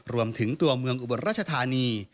รวมถึงตัวเมืองอุบลราชธานี